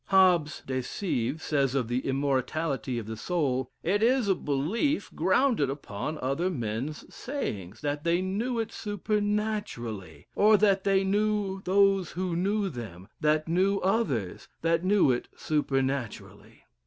Hobbes ("De Cive") says of the immortality of the soul, "It is a belief grounded upon other men's sayings, that they knew it supernaturally; or that they knew those who knew them, that knew others, that knew it supernaturally."